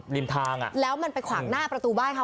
ริมทางอ่ะแล้วมันไปขวางหน้าประตูบ้านเขา